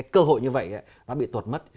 cơ hội như vậy đã bị tuột mất